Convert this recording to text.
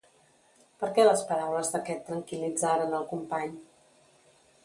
Per què les paraules d'aquest tranquil·litzaren el company?